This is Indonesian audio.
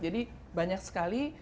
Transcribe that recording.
jadi banyak sekali apa ya